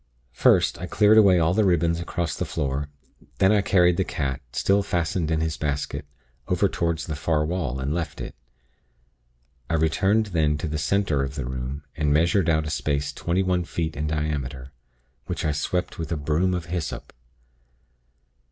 "First, I cleared away all the ribbons across the floor; then I carried the cat still fastened in its basket over toward the far wall, and left it. I returned then to the center of the room, and measured out a space twenty one feet in diameter, which I swept with a 'broom of hyssop.'